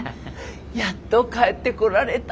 やっと帰ってこられた。